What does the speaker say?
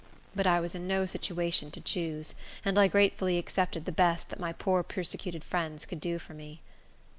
But I was in no situation to choose, and I gratefully accepted the best that my poor, persecuted friends could do for me.